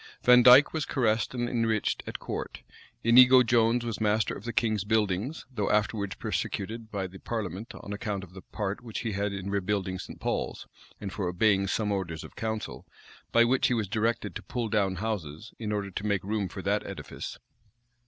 Vandyke was caressed and enriched at court. Inigo Jones was master of the king's buildings; though afterwards persecuted by the parliament, on account of the part which he had in rebuilding St. Paul's, and for obeying some orders of council, by which he was directed to pull down houses, in order to make room for that edifice.